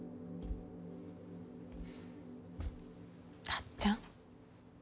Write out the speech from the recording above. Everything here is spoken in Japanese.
タッちゃん。